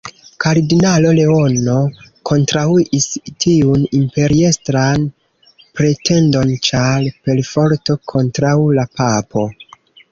Kardinalo Leono kontraŭis tiun imperiestran pretendon ĉar perforto kontraŭ la papo.